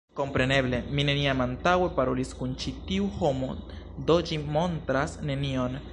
Kompreneble, mi neniam antaŭe parolis kun ĉi tiu homo do ĝi montras nenion